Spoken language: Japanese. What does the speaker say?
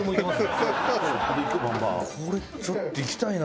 これちょっといきたいな。